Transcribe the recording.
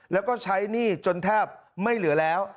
แล้วก็ใช้หนี้จนแทบไม่เหลือแล้ว